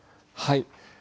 はい。